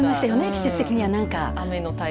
季節的にはなんか。